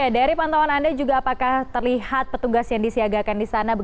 dari pantauan anda juga apakah terlihat petugas yang disiagakan di sana